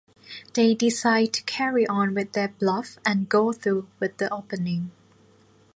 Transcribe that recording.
They decide to carry on with their bluff and go through with the opening.